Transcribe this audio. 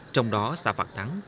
trong đó xã phạm thắng